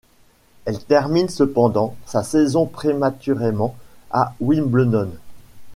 Elle termine cependant sa saison prématurément à Wimbledon.